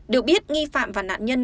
được biết nghi phạm và nạn nhân